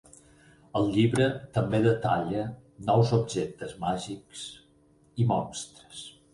El llibre també detalla nous objectes màgics i monstres.